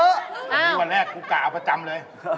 วันแรกกูกะประจำเลย